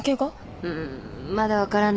うんまだ分からない。